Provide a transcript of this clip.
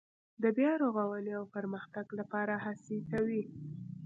د بیا رغاونې او پرمختګ لپاره هڅې کوي.